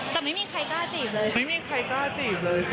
แต่ไม่มีใครกล้าจีบเลยไม่มีใครกล้าจีบเลย